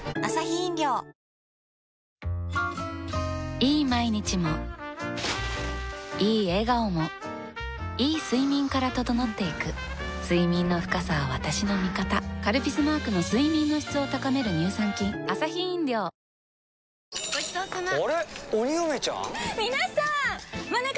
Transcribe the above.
いい毎日もいい笑顔もいい睡眠から整っていく睡眠の深さは私の味方「カルピス」マークの睡眠の質を高める乳酸菌２曲目ですまた？